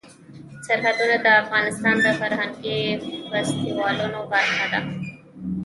سرحدونه د افغانستان د فرهنګي فستیوالونو برخه ده.